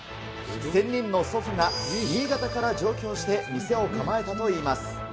仙人の祖父が新潟から上京して店を構えたといいます。